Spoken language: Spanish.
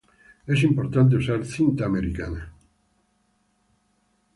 Es importante usar cinta americana